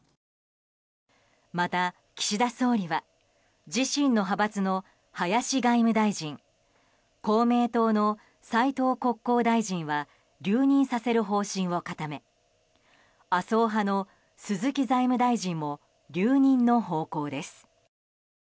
また、岸田総理は自身の派閥の林外務大臣、公明党の斉藤国交大臣は留任させる方針を固め麻生派の鈴木財務大臣も留任の方向です。